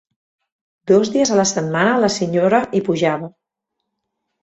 Dos dies a la setmana la senyora hi pujava